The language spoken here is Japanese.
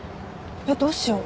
えっどうしよう。